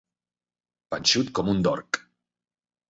Panxut com un dorc.